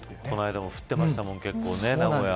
この間も結構降ってましたもんね。